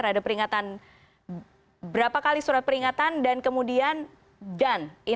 ada peringatan berapa kali surat peringatan dan kemudian